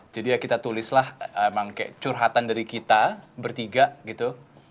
jadi ya kita tulislah emang kayak curhatan dari kita bertiga gitu